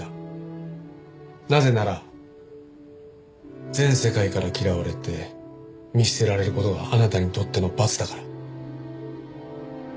なぜなら全世界から嫌われて見捨てられる事があなたにとっての罰だから。